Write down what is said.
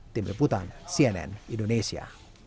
tim reputan cnn indonesia